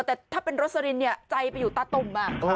แต่ถ้าเป็นโรสลินเนี่ยใจไปอยู่ตาตุ่ม